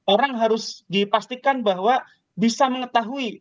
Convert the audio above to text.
orang harus dipastikan bahwa bisa mengetahui